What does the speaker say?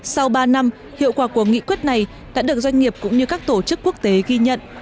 sau ba năm hiệu quả của nghị quyết này đã được doanh nghiệp cũng như các tổ chức quốc tế ghi nhận